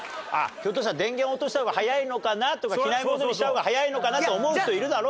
ひょっとしたら電源落とした方が速いのかなとか機内モードにした方が速いのかなと思う人いるだろ？